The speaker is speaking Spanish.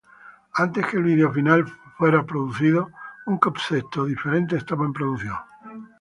Antes que el vídeo final fuera producido, un concepto diferente estaba en producción.